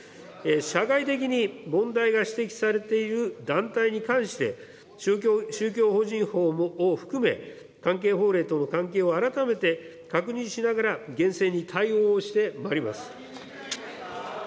社会的に問題が指摘されている団体に関して、宗教法人法を含め、関係法令との関係を改めて確認しながら厳正に対応をしてまいります。